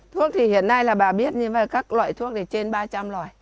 thuốc thì hiện nay là bà biết như vậy các loại thuốc thì trên ba trăm linh loại